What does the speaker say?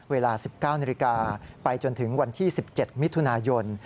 เวลา๑๙นาฬิกาไปจนถึงวันที่๑๗มิถุนายน